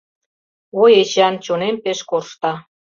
Ой, Эчан, чонем пеш коршта.